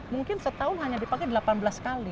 mungkin setahun hanya dipakai delapan belas kali